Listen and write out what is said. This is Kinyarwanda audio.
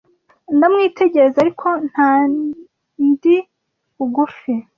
Ndamwitegereza, ariko ntandi bugufi